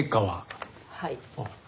はい。